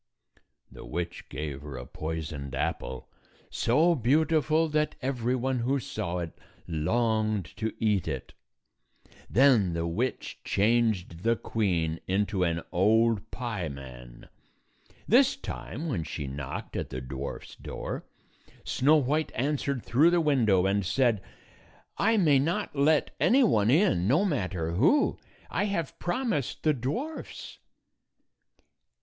The witch gave her a poisoned apple, so beautiful that every one who saw it longed to eat it. Then the witch changed the queen into an old pieman. This time, when she knocked at the dwarfs' door, Snow White answered through the window, and said, " I may not let any one in, no matter who. I have promised the dwarfs."